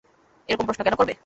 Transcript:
এরকম প্রশ্ন কেন করবে?